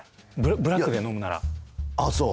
ブラックで飲むならあっそう？